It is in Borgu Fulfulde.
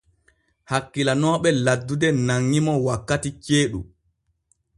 Hakkilanooɓe laddude nanŋi mo wakkati ceeɗu.